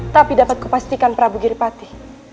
tapi dapat kupastikan prabu giripati